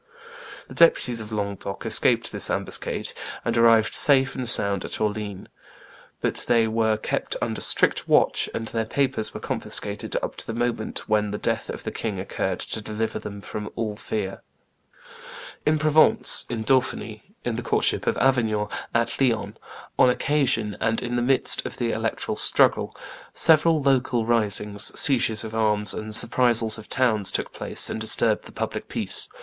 The deputies of Languedoc escaped this ambuscade, and arrived safe and sound at Orleans; but they "were kept under strict watch, and their papers were confiscated up to the moment when the death of the king occurred to deliver them from all fear." [Histoire des Etats generaux, by G. Picot, t. ii. pp. 25 29.] In Provence, in Dauphiny, in the countship of Avignon, at Lyons, on occasion and in the midst of the electoral struggle, several local risings, seizures of arms, and surprisals of towns took place and disturbed the public peace.